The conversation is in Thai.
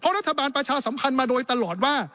เพราะรัฐบาลประชาสำคัญมาโดยตลอดว่า